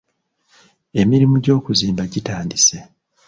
Emirimu gy'okuzimba gitandise.